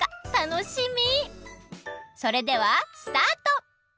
それではスタート！